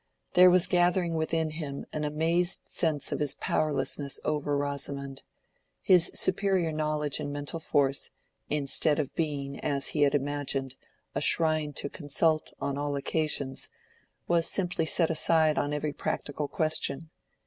There was gathering within him an amazed sense of his powerlessness over Rosamond. His superior knowledge and mental force, instead of being, as he had imagined, a shrine to consult on all occasions, was simply set aside on every practical question.